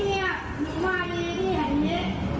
เจ้าหน้าที่อยู่ตรงนี้กำลังจะปัด